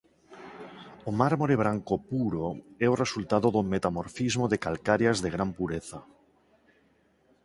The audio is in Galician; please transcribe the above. O mármore branco puro é o resultado do metamorfismo de calcarias de gran pureza.